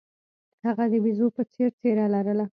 هغه د بیزو په څیر څیره لرله.